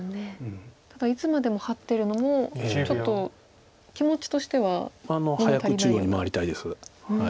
ただいつまでもハッてるのもちょっと気持ちとしては物足りないような。